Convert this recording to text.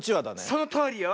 そのとおりよ。